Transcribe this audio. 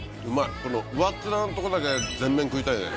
この上っ面のとこだけ全面食いたいね。